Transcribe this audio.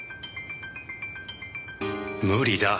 無理だ。